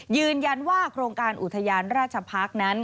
ยืนยันว่าโครงการอุทยานราชพักษ์นั้น